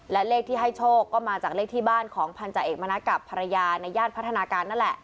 และเลขที่ให้โชคก็มาจากเลขที่บ้านของพันธาเอกมณัฐกับภรรยาในย่านพัฒนาการนั่นแหละ